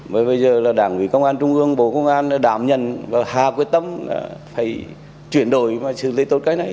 bởi bây giờ là đảng quỹ công an trung ương bộ công an đã đảm nhận và hạ quyết tâm là phải chuyển đổi và xử lý tốt cái này